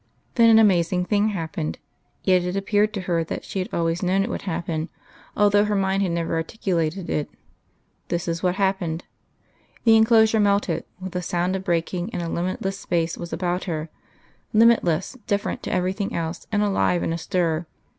Then an amazing thing happened yet it appeared to her that she had always known it would happen, although her mind had never articulated it. This is what happened. The enclosure melted, with a sound of breaking, and a limitless space was about her limitless, different to everything else, and alive, and astir.